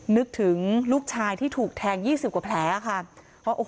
นึกถึงลูกชายที่ถูกแทง๒๐กว่าแผลค่ะ